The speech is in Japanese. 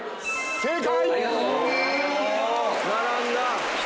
正解！